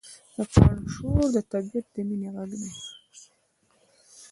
د پاڼو شور د طبیعت د مینې غږ دی.